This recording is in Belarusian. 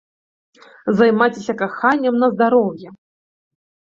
Займайцеся каханнем на здароўе!